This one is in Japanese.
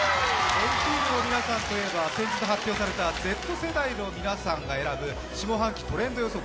＆ＴＥＡＭの皆さんといえば、先日発表されたＺ世代の皆さんが選ぶ下半期トレンド予測